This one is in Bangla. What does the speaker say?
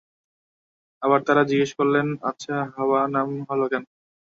আবার তারা জিজ্ঞাসা করলেন, আচ্ছা হাওয়া নাম হলো কেন?